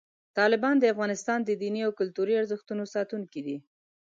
طالبان د افغانستان د دیني او کلتوري ارزښتونو ساتونکي دي.